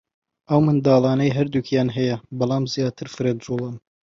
ئەو منداڵانەی هەردووکیان هەیە بەلام زیاتر فرەجووڵەن